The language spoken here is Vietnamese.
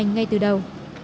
ngay từ đầu